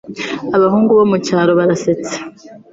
Abahungu bo mucyaro baransetse.